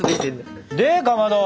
でかまど。